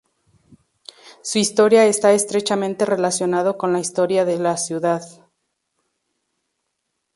Su historia está estrechamente relacionado con la historia de la ciudad.